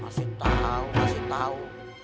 masih tau masih tau